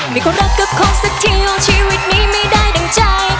มีคนรักกับคนสักทีของชีวิตนี้ไม่ได้ดั่งใจ